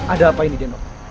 ada apa ini denok